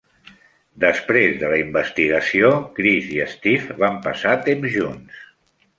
Després de la investigació, Chris i Steve van passar temps junts.